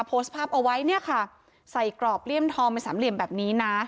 โพสต์ภาพเอาไว้เนี่ยค่ะใส่กรอบเลี่ยมทองเป็นสามเหลี่ยมแบบนี้นะ